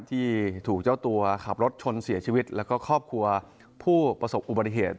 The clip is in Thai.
ที่ถูกเจ้าตัวขับรถชนเสียชีวิตแล้วก็ครอบครัวผู้ประสบอุบัติเหตุ